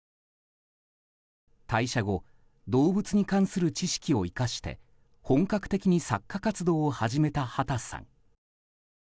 退社後動物に関する知識を生かして本格的に作家活動を始めた畑さん。